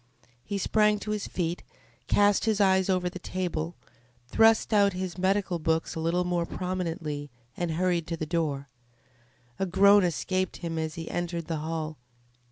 He sprang to his feet, cast his eyes over the table, thrust out his medical books a little more prominently, and hurried to the door. A groan escaped him as he entered the hall.